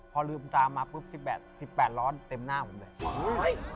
พอลืมตาปุ๊บ๑๘ร้อนเต็มหน้าผมด้วย